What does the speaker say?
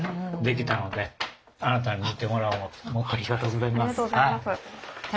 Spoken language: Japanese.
ありがとうございます。